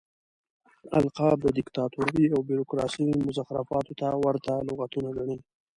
القاب د ديکتاتورۍ او بيروکراسۍ مزخرفاتو ته ورته لغتونه ګڼي.